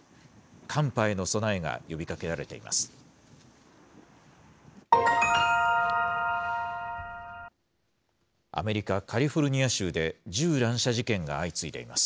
寒波への備えが呼びかけられています。